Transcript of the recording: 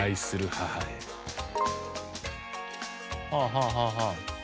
はあはあはあはあ。